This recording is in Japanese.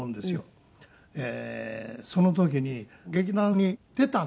その時に劇団に出たんですよ。